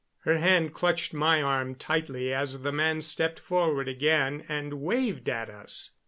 Her hand clutched my arm tightly as the man stepped forward again and waved at us.